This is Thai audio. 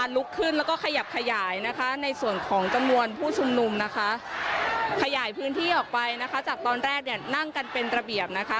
ลุกขึ้นแล้วก็ขยับขยายนะคะในส่วนของจำนวนผู้ชุมนุมนะคะขยายพื้นที่ออกไปนะคะจากตอนแรกเนี่ยนั่งกันเป็นระเบียบนะคะ